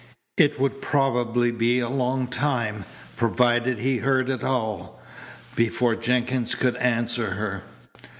It would probably be a long time, provided he heard at all, before Jenkins could answer her.